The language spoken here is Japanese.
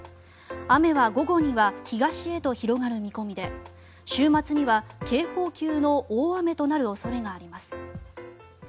雨は午後には東へと広がる見込みで週末には警報級の大雨となる恐れがあります。